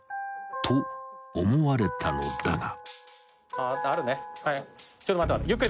［と思われたのだが］